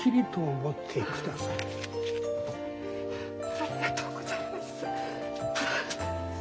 ありがとうございます。